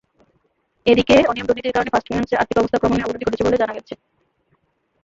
এদিকে, অনিয়ম-দুর্নীতির কারণে ফার্স্ট ফিন্যান্সে আর্থিক অবস্থা ক্রমান্বয়ে অবনতি ঘটছে বলে জানা গেছে।